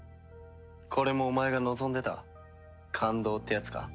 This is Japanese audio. これもお前が望んでた感動ってやつか？